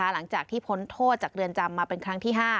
หลังจากที่พ้นโทษจากเรือนจำมาเป็นครั้งที่๕